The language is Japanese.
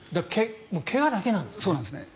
怪我だけなんです。